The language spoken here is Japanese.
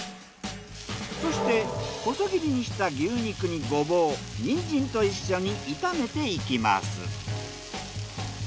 そして細切りにした牛肉にゴボウニンジンと一緒に炒めていきます。